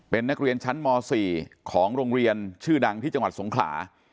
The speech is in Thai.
เป็นนักเรียนชั้นม๔ของโรงเรียนชื่อดังที่จังหวัดสงขลา